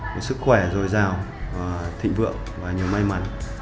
một sức khỏe dồi dào thịnh vượng và nhiều may mắn